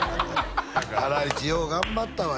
「ハライチよう頑張ったわ」